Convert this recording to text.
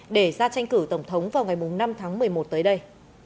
để ra tranh cử tổng thống vào ngày năm tháng một mươi một tới đây